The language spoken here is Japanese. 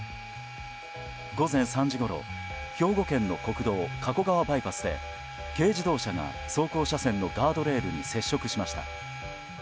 午前３時ごろ、兵庫県の国道加古川バイパスで軽自動車が走行車線のガードレールに接触しました。